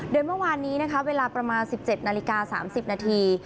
โดยเมื่อวานนี้นะคะเวลาประมาณ๑๗นาฬิกา๓๐นาที